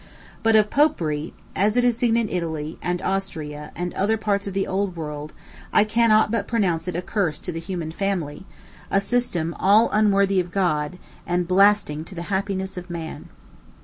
But of Popery, as it is seen in Italy, and Austria, and other parts of the old world, I cannot but pronounce it a curse to the human family, a system all unworthy of God, and blasting to the happiness of man.